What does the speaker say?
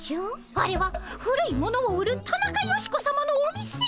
あれは古いものを売るタナカヨシコさまのお店。